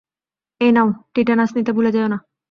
এই নাও, টিটেনাস নিতে ভুলে যেও না।